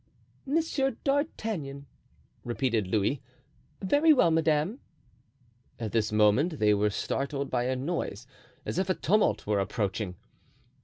"Monsieur d'Artagnan," repeated Louis; "very well, madame." At this moment they were startled by a noise as if a tumult were approaching.